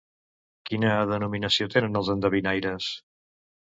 Quina denominació tenen els endevinaires?